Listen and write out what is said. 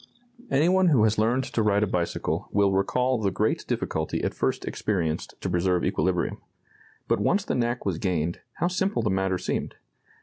Any one who has learned to ride a bicycle will recall the great difficulty at first experienced to preserve equilibrium. But once the knack was gained, how simple the matter seemed!